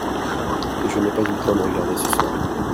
je n'ai pas eu le temps de regarder ce soir.